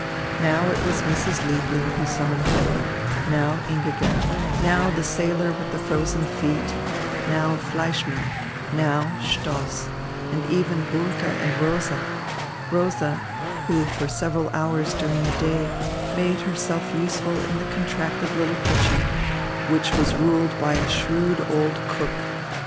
Now it was Mrs. Liebling who summoned him, now Ingigerd, now the sailor with the frozen feet, now Fleischmann, now Stoss, and even Bulke and Rosa Rosa, who for several hours during the day made herself useful in the contracted little kitchen, which was ruled by a shrewd old cook.